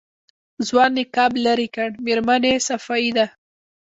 ځوان نقاب لېرې کړ مېرمنې صفايي ده.